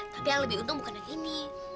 tapi yang lebih untung bukan yang ini